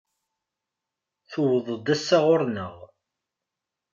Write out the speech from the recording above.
Tuweḍ-d ass-a ɣur-neɣ.